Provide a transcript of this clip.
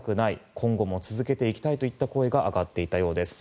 今後も続けていきたいといった声が上がっていたようです。